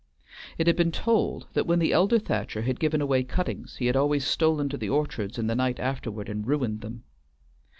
It had been told that when the elder Thacher had given away cuttings he had always stolen to the orchards in the night afterward and ruined them.